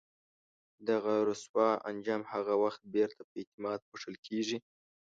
دغه رسوا انجام هغه وخت بیرته په اعتماد پوښل کېږي.